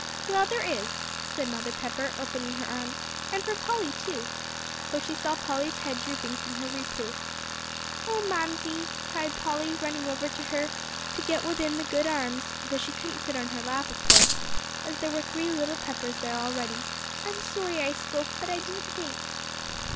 "Well, there is," said Mother Pepper, opening her arms, "and for Polly, too," for she saw Polly's head drooping from her reproof. "Oh, Mamsie!" cried Polly, running over to her, to get within the good arms, though she couldn't sit on her lap, of course, as there were three little Peppers there already; "I'm sorry I spoke, but I didn't think."